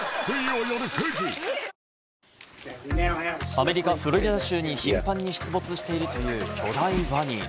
アメリカ・フロリダ州に頻繁に出没しているという、巨大ワニ。